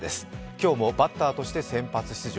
今日もバッターとして先発出場